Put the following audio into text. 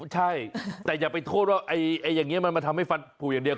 ใช่แต่อย่าไปโทษว่าอย่างนี้มันมาทำให้ฟันผูอย่างเดียว